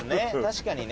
確かにね。